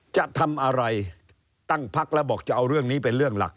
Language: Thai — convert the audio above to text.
จะทำอะไรตั้งพักแล้วบอกจะเอาเรื่องนี้เป็นเรื่องหลัก